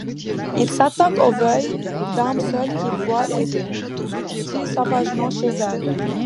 Il s'attaque aux vieille dames seules qu'il viole et tue sauvagement chez elles.